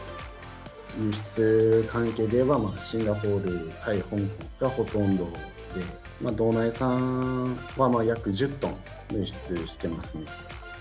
輸出関係でいえば、シンガポール、タイ、香港がほとんどで、道内産は約１０トン、輸出していますね。